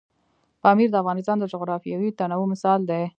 پامیر د افغانستان د جغرافیوي تنوع مثال دی.